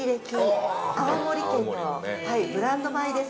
青森県のブランド米です。